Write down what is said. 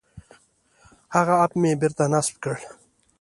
هغه اپ مې بېرته نصب کړ.